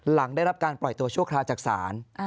หลังได้รับการปล่อยตัวชั่วคราวจากศาล